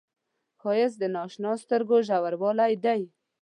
ښایست د نااشنا سترګو ژوروالی دی